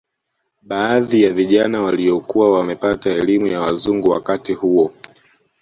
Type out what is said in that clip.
Baadhi ya Vijana waliokuwa wamepata elimu ya wazungu wakati huo